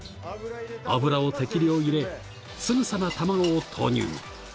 油を適量入れ、すぐさま卵を投入。